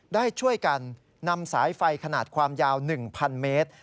ได้ช่วยกันนำสายไฟขนาดความยาว๑๐๐เมตร